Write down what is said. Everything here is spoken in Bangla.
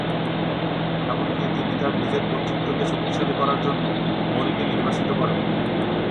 এমনকি তিনি তার নিজের কর্তৃত্বকে শক্তিশালী করার জন্য মোরিকে নির্বাসিত করেন।